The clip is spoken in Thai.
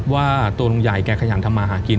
ว่าตัวลุงใหญ่แกขยันทำมาหากิน